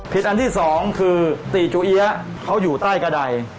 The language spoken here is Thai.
อันที่สองคือตีจูเอี๊ยะเขาอยู่ใต้กระดาย